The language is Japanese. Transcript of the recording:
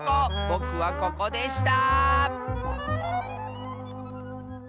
ぼくはここでした！